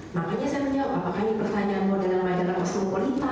makanya saya menjawab apakah ini pertanyaan model yang lain dalam kosmopolita